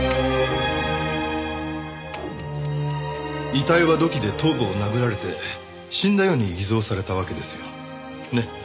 遺体は土器で頭部を殴られて死んだように偽装されたわけですよねっ？